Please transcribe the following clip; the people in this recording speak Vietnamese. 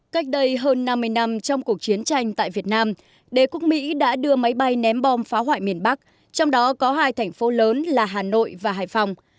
cách đây hơn năm mươi năm trong cuộc chiến tranh tại việt nam đế quốc mỹ đã đưa máy bay ném bom phá hoại miền bắc trong đó có hai thành phố lớn là hà nội và hải phòng